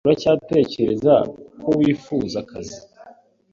Uracyatekereza ko wifuza akazi?